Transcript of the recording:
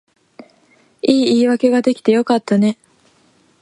いい言い訳が出来てよかったね